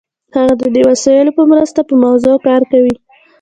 هغه د دې وسایلو په مرسته په موضوع کار کوي.